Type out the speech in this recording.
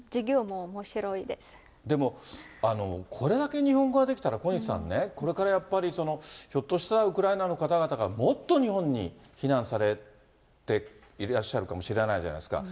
でも、これだけ日本語ができたら、小西さんね、これからやっぱり、ひょっとしたらウクライナの方々がもっと日本に避難されていらっしゃるかもしれないじゃないですか。